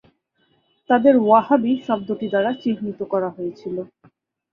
তাদের "ওয়াহাবি" শব্দটি দ্বারা চিহ্নিত করা হয়েছিল।